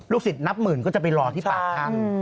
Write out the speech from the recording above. ลูกศิษย์นับหมื่นก็จะไปรอที่ปากท่าน